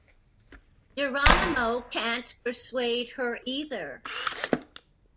Geronimo can't persuade her either.